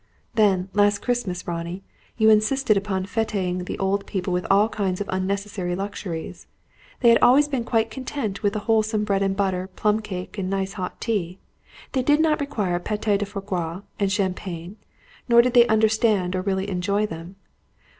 "Then, last Christmas, Ronnie, you insisted upon fêting the old people with all kinds of unnecessary luxuries. They had always been quite content with wholesome bread and butter, plum cake, and nice hot tea. They did not require pâté de foie gras and champagne, nor did they understand or really enjoy them.